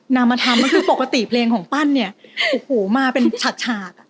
นามธรรมก็คือปกติเพลงของปั้นเนี้ยโอ้โหมาเป็นฉัดฉาก